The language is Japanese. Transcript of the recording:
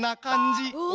お！